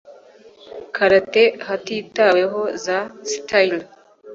karate hatitaweho za styles